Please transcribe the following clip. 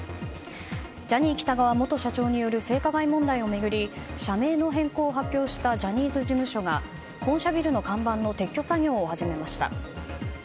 ジャニー喜多川元社長による性加害問題を巡り社名の変更を発表したジャニーズ事務所が本社ビルの看板の撤去作業を始めました。